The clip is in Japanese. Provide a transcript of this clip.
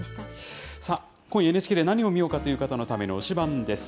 さあ、今夜、ＮＨＫで何を見ようかという方のための推しバンです。